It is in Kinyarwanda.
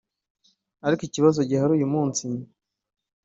ariko ikibazo gihari uyu munsi